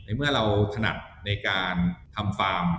เมื่อเราถนัดในการทำฟาร์ม